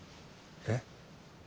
えっ？